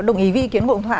đồng ý với ý kiến bộng thỏa